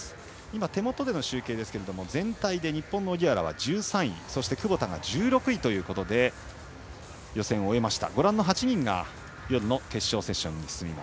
手元での集計ですが全体で日本の荻原は１３位そして窪田が１６位で終えました。